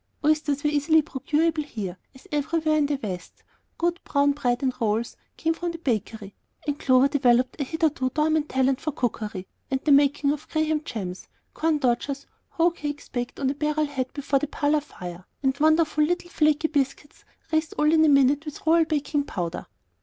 Oysters were easily procurable there, as everywhere in the West; good brown bread and rolls came from the bakery; and Clover developed a hitherto dormant talent for cookery and the making of Graham gems, corn dodgers, hoe cakes baked on a barrel head before the parlor fire, and wonderful little flaky biscuits raised all in a minute with Royal Baking Powder.